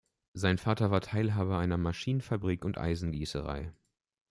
Sein Vater war Teilhaber einer Maschinenfabrik und Eisengießerei.